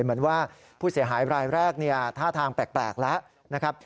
เหมือนว่าผู้เสียหายรายแรกท่าทางแปลกแล้ว